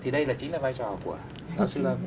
thì đây chính là vai trò của giáo sư